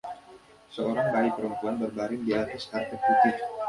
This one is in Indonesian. seorang bayi perempuan berbaring di atas karpet putih.